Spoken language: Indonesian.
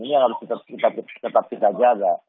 ini yang harus kita tetap kita jaga